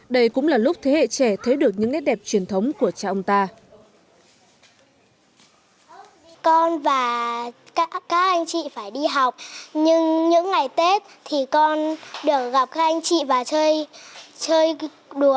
đây cũng là một trong số những điều mà các cháu có thể tìm hiểu và tìm hiểu